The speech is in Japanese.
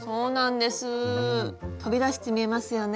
飛び出して見えますよね。